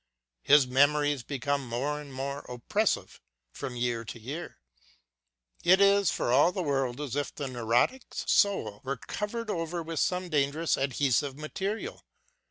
His memories become more and more oppressive from year to year. It is for all the world as if the neurotic's soul were covered over with some dangerous adhesive material.